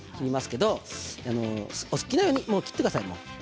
けれどお好きなように切ってください。